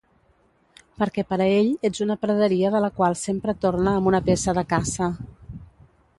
Perquè per a ell ets una praderia de la qual sempre torna amb una peça de caça.